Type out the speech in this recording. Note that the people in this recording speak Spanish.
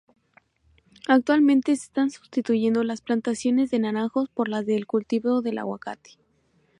Actualmente se están sustituyendo las plantaciones de naranjos por las del cultivo del aguacate.